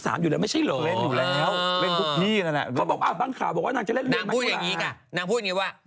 นางพูดอย่างนี้ก่ะนางพูดอย่างนี้ว่า